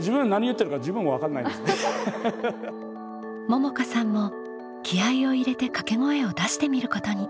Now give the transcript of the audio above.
ももかさんも気合いを入れて掛け声を出してみることに。